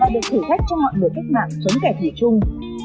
được thử thách cho mọi người cách mạng chống kẻ thủy chung